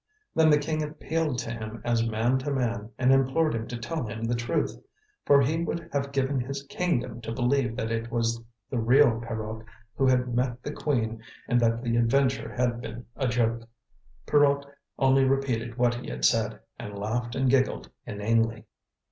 Then the King appealed to him as man to man and implored him to tell him the truth; for he would have given his kingdom to believe that it was the real Pierrot who had met the Queen and that the adventure had been a joke. Pierrot only repeated what he had said, and laughed and giggled inanely.